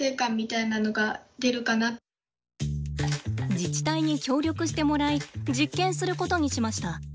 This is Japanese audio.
自治体に協力してもらい実験することにしました。